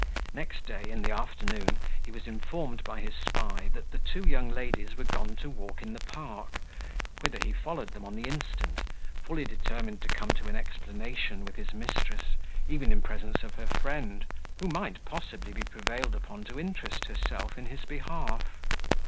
Next day in the afternoon he was informed by his spy that the two young ladies were gone to walk in the park, whither he followed them on the instant, fully determined to come to an explanation with his mistress, even in presence of her friend, who might possibly be prevailed upon to interest herself in his behalf.